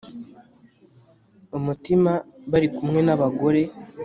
umutima bari kumwe n abagore